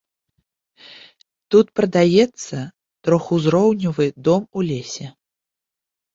Тут прадаецца трохузроўневы дом у лесе.